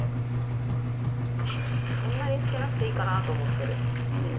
そんなに漬けなくていいかなと思ってる。